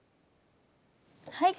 はい。